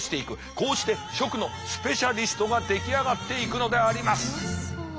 こうして食のスペシャリストが出来上がっていくのであります。